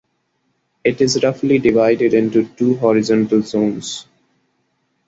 It is roughly divided into two horizontal zones.